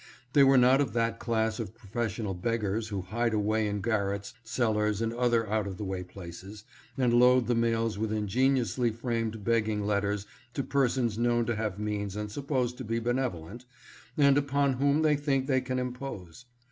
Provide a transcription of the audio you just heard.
They were not of that class of professional beggars who hide away in garrets, cellars, and other out of the way places, and load the mails with ingen iously framed begging letters to persons known to have means and supposed to be benevolent, and upon whom they think they can impose.